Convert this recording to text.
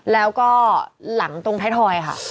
แล้วก็หลังตรงไทยทอยค่ะ